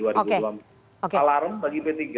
alarm bagi p tiga